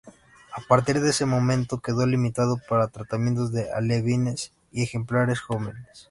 A partir de ese momento quedó limitado para tratamientos de alevines y ejemplares jóvenes.